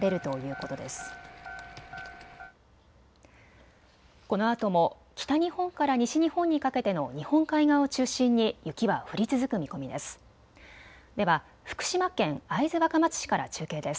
このあとも北日本から西日本にかけての日本海側を中心に雪は降り続く見込みです。